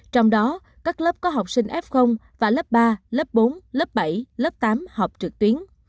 trong đó các lớp có học sinh f và lớp ba lớp bốn lớp bảy lớp tám học trực tuyến